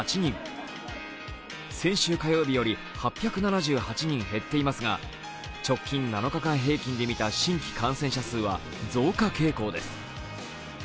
先週火曜日より８７８人減っていますが直近７日間平均でみた新規感染者数は増加傾向です。